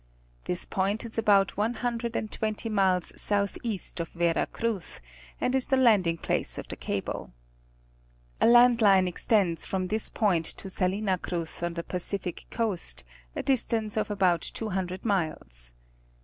'This. point is about one hundred and twenty miles southeast of Vera Cruz, and is the landing place of the cable. A land line extends from this point to Salina Cruz on the Pacific coast, a distance of about two hundred miles.